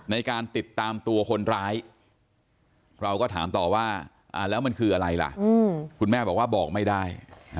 ในการติดตามตัวคนร้ายเราก็ถามต่อว่าแล้วมันคืออะไรล่ะคุณแม่บอกว่าบอกไม่ได้